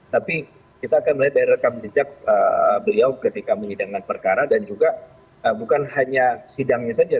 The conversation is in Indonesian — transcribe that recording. tapi kita akan melihat dari rekam jejak beliau ketika menyidangkan perkara dan juga bukan hanya sidangnya saja